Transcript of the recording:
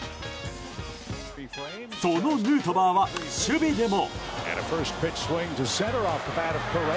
そのヌートバーは守備でも。